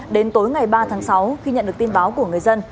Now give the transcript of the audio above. đến tối ngày ba tháng sáu khi nhận được tin báo của người dân